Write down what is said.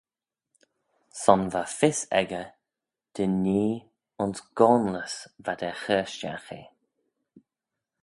Son va fys echey dy nee ayns goanlys v'ad er chur stiagh eh.